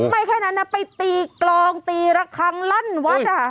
ไม่แค่นั้นนะไปตีกลองตีระคังลั่นวัด